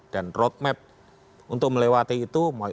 dan roadmap untuk melewati itu